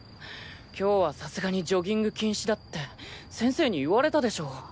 今日はさすがにジョギング禁止だって先生に言われたでしょう。